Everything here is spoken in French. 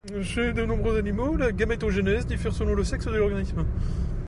Chez de nombreux animaux, la gamétogenèse diffère selon le sexe de l'organisme.